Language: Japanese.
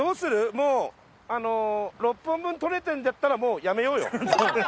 もう本分撮れてるんだったらもうやめようよ。